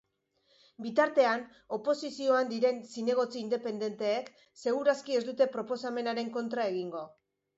Bitartean, oposizioan diren zinegotzi independenteek segur aski ez dute proposamenaren kontra egingo.